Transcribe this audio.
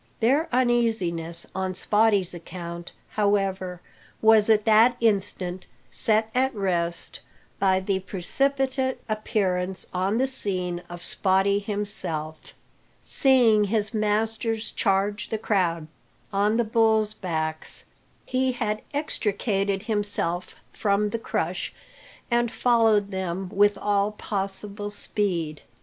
Their uneasiness on Spottie's account, however, was at that instant set at rest by the precipitate appearance on the scene of Spottie himself. Seeing his masters charge the crowd on the bulls' backs, he had extricated himself from the crush, and followed them with all possible speed.